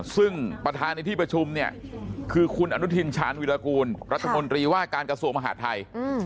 ซึ่งประธานในที่ประชุมเนี่ยคือคุณอนุทินชาญวิรากูลรัฐมนตรีว่าการกระทรวงมหาดไทย